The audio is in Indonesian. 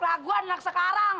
kelaguan anak sekarang